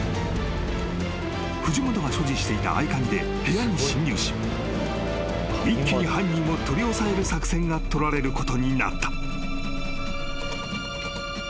［藤本が所持していた合鍵で部屋に進入し一気に犯人を取り押さえる作戦が取られることになった］